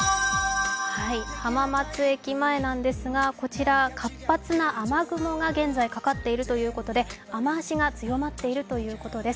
浜松駅前なんですが、こちらは活発な雨雲が現在かかっているということで雨足が強まっているということです。